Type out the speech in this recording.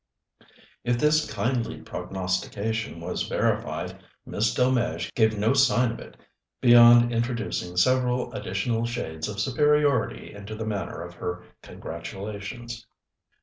If this kindly prognostication was verified, Miss Delmege gave no sign of it, beyond introducing several additional shades of superiority into the manner of her congratulations.